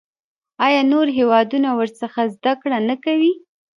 آیا نور هیوادونه ورڅخه زده کړه نه کوي؟